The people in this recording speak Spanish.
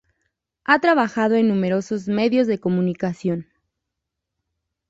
Ha trabajado en numerosos medios de comunicación.